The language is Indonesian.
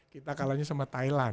kita kalahnya sama thailand